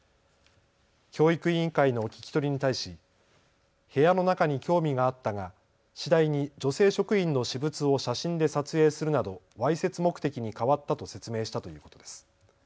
教育委員会の聞き取りに対し部屋の中に興味があったが次第に女性職員の私物を写真で撮影するなどわいせつ目的に変わったと説明したということです。